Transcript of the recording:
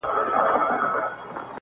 رساوه چي به یې مړی تر خپل ګوره!!